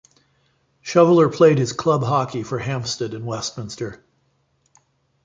Shoveller played his club hockey for Hampstead and Westminster.